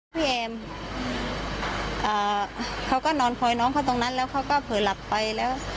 พี่แอมเขาก็นอนคอยน้องเขาตรงนั้นแล้วเขาก็เผลอหลับไปแล้ว